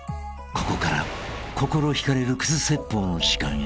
［ここから心惹かれるクズ説法の時間へ］